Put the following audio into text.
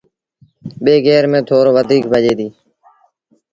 ٻي گير ميݩ ٿورو وڌيڪ ڀڄي دو۔